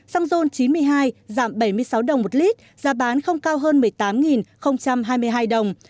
xăng ron chín mươi hai giảm bảy mươi sáu đồng một lít giá bán không cao hơn một mươi tám hai mươi hai đồng